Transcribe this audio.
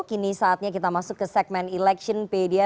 kini saatnya kita masuk ke segmen electionpedia